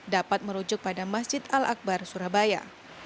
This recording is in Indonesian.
dapat merujuk pada masjid al akbar surabaya